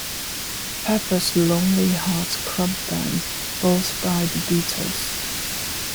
Pepper's Lonely Hearts Club Band, both by The Beatles.